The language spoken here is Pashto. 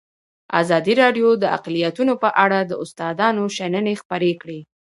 ازادي راډیو د اقلیتونه په اړه د استادانو شننې خپرې کړي.